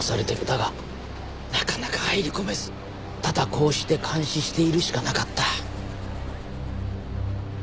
だがなかなか入り込めずただこうして監視しているしかなかった。